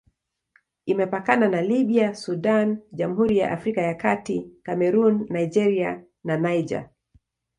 Imepakana na Libya, Sudan, Jamhuri ya Afrika ya Kati, Kamerun, Nigeria na Niger.